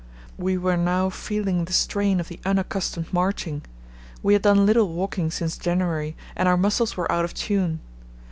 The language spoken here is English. We were now feeling the strain of the unaccustomed marching. We had done little walking since January and our muscles were out of tune.